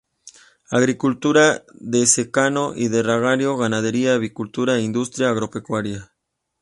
Agricultura de secano y de regadío, ganadería, avicultura e industria agropecuaria.